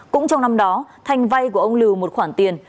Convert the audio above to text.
cũng trong năm đó thành vay của ông lưu một khoản tiền